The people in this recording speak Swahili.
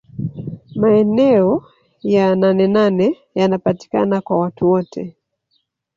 maeneo ya nanenane yanapatikana kwa watu wote